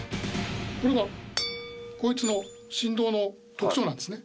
これがこいつの振動の特徴なんですね。